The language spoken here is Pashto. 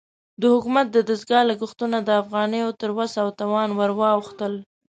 د حکومت د دستګاه لګښتونه د افغانیو تر وس او توان ورواوښتل.